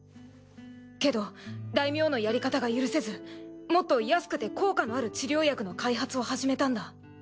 けど大名のやり方が許せずもっと安くて効果のある治療薬の開発を始めたんだ。